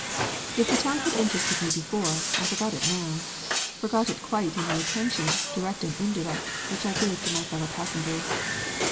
If the town had interested me before, I forgot it now forgot it quite in the attention, direct and indirect, which I gave to my fellow passengers.